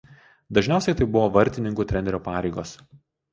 Dažniausiai tai buvo vartininkų trenerio pareigos.